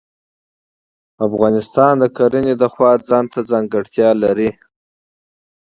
افغانستان د زراعت له پلوه ځانته ځانګړتیا لري.